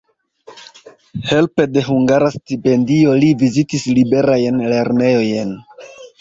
Helpe de hungara stipendio li vizitis liberajn lernejojn.